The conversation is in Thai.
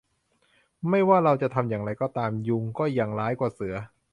ไม่ว่าเราจะทำอย่างไรก็ตาม ยุงก็ยังร้ายกว่าเสือ